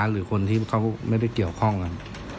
หรือคนที่เขาไม่ได้เกี่ยวข้องกัน